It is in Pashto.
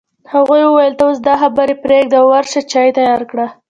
هغې وویل ته اوس دا خبرې پرېږده او ورشه چای تيار کړه